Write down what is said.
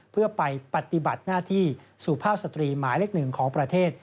เพื่อไปปฏิบัติหน้าที่สู่ภาพสตรีหมายเล็กหนึ่งของประเทศ